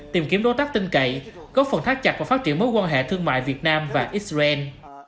tìm kiếm đối tác tinh cậy góp phần thác chặt và phát triển mối quan hệ thương mại việt nam và israel